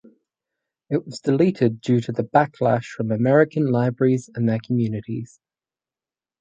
It was deleted due to backlash from American libraries and their communities.